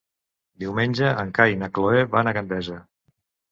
Diumenge en Cai i na Cloè van a Gandesa.